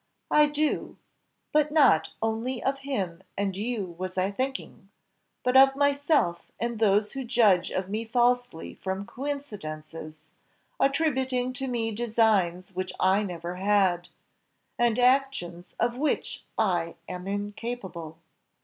"I do. But not only of him and you was I thinking, but of myself and those who judge of me falsely from coincidences, attributing to me designs which I never had, and actions of which I am incapable."